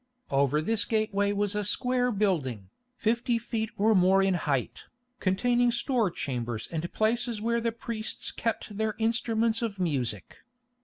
Over this gateway was a square building, fifty feet or more in height, containing store chambers and places where the priests kept their instruments of music.